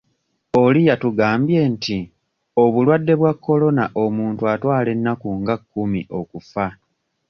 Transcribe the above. Oli yatugambye nti obulwadde bwa Corona omuntu atwala ennaku nga kkumi okufa.